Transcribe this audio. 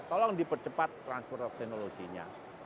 tolong dipercepat transport teknologinya